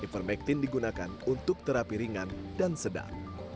ivermectin digunakan untuk terapi ringan dan sedang